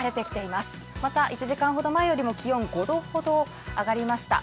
また、１時間ほど前よりも気温５度ほど上がりました。